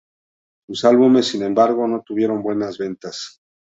Sus álbumes sin embargo no tuvieron buenas ventas.